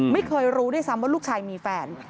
ไม่เคยรู้ด้วยซ้ำว่าลูกชายมีแฟน